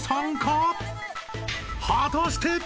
［果たして？］